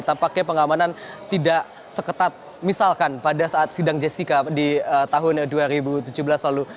tampaknya pengamanan tidak seketat misalkan pada saat sidang jessica di tahun dua ribu tujuh belas lalu